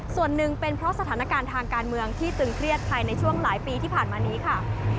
ส่วนหนึ่งเป็นเพราะสถานการณ์ทางการเมืองที่ตึงเครียดภายในช่วงหลายปีที่ผ่านมานี้ค่ะ